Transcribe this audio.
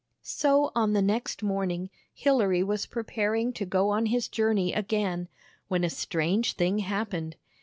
So on the next morning Hilary was preparing to go on his journey again, when a strange thing happened.